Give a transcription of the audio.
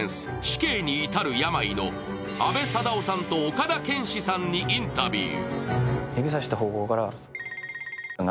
「死刑にいたる病」の阿部サダヲさんと岡田健史さんにインタビュー。